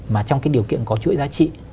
mà trong cái điều kiện có chuỗi giá trị